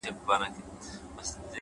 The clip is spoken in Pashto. تر دې نو بله ښه غزله کتابي چیري ده’